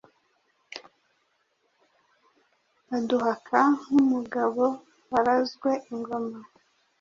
Aduhaka nk’umugabo warazwe ingoma